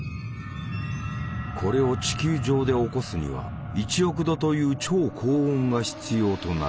これを地球上で起こすには１億度という超高温が必要となる。